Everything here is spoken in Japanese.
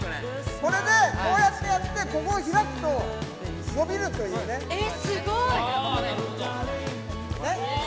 これでこうやってやって、ここを開くと、伸びるというね。